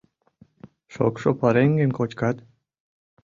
Шокшо пареҥгым кочкат?